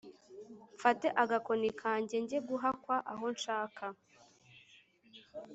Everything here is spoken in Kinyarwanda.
Mfate agakoni kanjyeNjye guhakwa aho nshaka